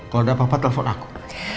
kalo ada apa apa telpon aku